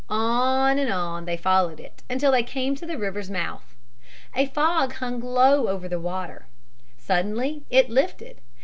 On, on they followed it until they came to the river's mouth. A fog hung low over the water. Suddenly it lifted.